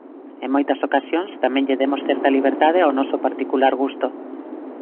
En moitas ocasións tamén lle demos certa liberdade ao noso particular gusto.